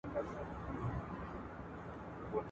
بهرنۍ تګلاره بې له همکارۍ نه نه بشپړېږي.